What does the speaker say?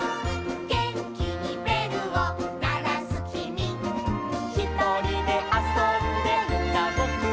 「げんきにべるをならすきみ」「ひとりであそんでいたぼくは」